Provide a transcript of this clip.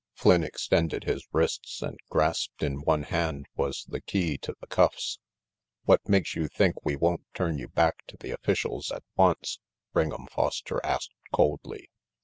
Flynn extended his wrists and grasped in one hand was the key to the cuffs. "What makes you think we won't turn you back to the officials at once? " Ring'em Foster asked coldly.